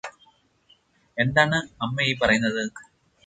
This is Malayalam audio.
എന്താണ് അമ്മ ഈ പറയ്യുന്നത്